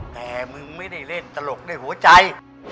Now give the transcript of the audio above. แต่มึงไม่ได้เล่นตลกด้วยหัวใจ